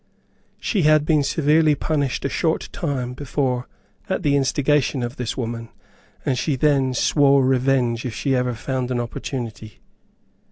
She had been severely punished a short time before at the instigation of this woman, and she then swore revenge if she ever found an opportunity.